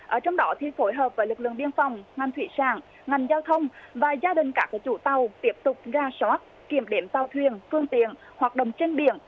ở trong đó thì phối hợp với lực lượng biên phòng ngành thủy sản ngành giao thông và gia đình các chủ tàu tiếp tục ra soát kiểm đếm tàu thuyền phương tiện hoạt động trên biển